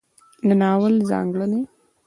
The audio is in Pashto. د ناول ځانګړنې